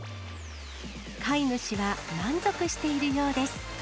飼い主は満足しているようです。